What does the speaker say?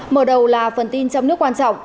mở đầu là phần tin trong nước quan trọng